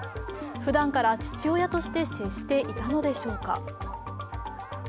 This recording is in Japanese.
ふだんから父親として接していたのでしょうか。